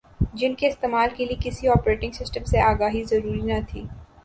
جن کے استعمال کے لئے کسی اوپریٹنگ سسٹم سے آگاہی ضروری نہ تھی